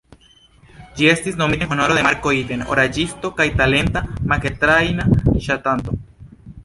Ĝi estis nomita en honoro de "Marco Iten", oraĵisto kaj talenta makettrajna ŝatanto,